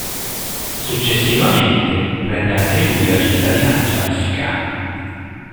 Successivamente, prende anche lui la cittadinanza messicana.